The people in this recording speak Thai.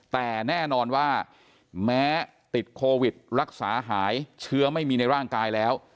แต่แน่นอนว่าแม้ติดโควิดรักษาหายเชื้อไม่มีในร่างกายแล้ว